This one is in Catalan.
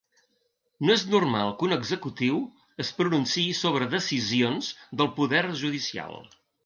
No és normal que un executiu es pronunciï sobre decisions del poder judicial.